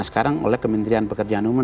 sekarang oleh kementerian pekerjaan umum